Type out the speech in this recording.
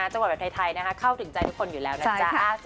จังหวัดแบบไทยเข้าถึงใจทุกคนอยู่แล้วนะจ๊ะ